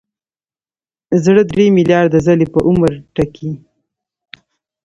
زړه درې ملیارده ځلې په عمر ټکي.